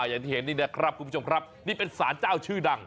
อย่างที่เห็นนี่นะครับคุณผู้ชมครับนี่เป็นสารเจ้าชื่อดัง